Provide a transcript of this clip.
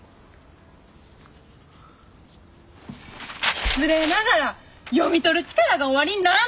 失礼ながら読み取る力がおありにならないのでは？